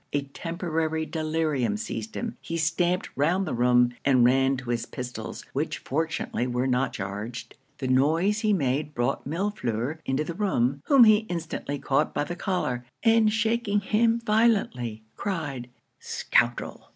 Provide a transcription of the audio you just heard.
A temporary delirium seized him; he stamped round the room, and ran to his pistols, which fortunately were not charged. The noise he made brought Millefleur into the room, whom he instantly caught by the collar, and shaking him violently, cried 'Scoundrel!